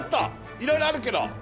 いろいろあるけど。